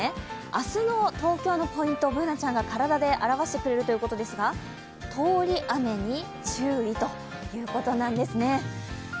明日の東京のポイント、Ｂｏｏｎａちゃんが体で表してくれるということですが通り雨に注意ということなんですね。